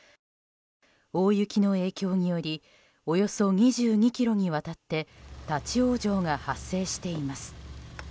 大雪の影響によりおよそ２２ｋｍにわたって立ち往生が発生しています。